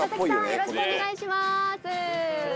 よろしくお願いします。